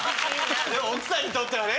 でも奥さんにとってはね。